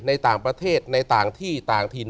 ในต่างประเทศในต่างที่ต่างถิ่น